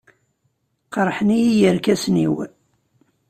Qerḥen-iyi yirkasen-iw.